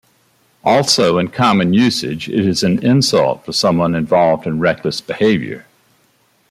Also in common usage it is an insult for someone involved in reckless behavior.